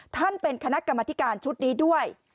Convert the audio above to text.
ท่านเป็นคณะกรรมธิการชุดนี้ด้วย